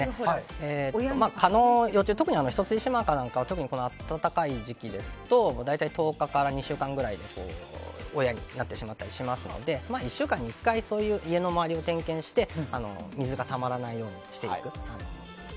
蚊の幼虫特にヒトスジシマカなどは特に暖かい時期ですと大体１０日から２週間くらいで親になってしまったりしますので１週間に１回家の周りを点検して水がたまらないようにする。